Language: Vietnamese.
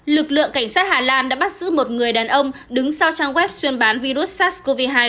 lực lượng cảnh sát hà lan đã bắt giữ một người đàn ông đứng sau trang web chuyên bán virus sars cov hai